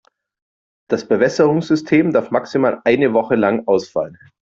Das Bewässerungssystem darf maximal eine Woche lang ausfallen.